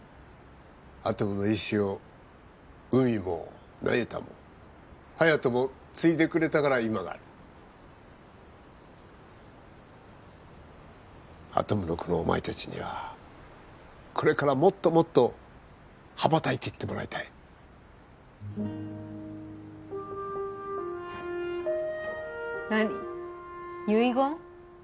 アトムの意志を海も那由他も隼人も継いでくれたから今があるアトムの子のお前達にはこれからもっともっと羽ばたいてってもらいたい何遺言？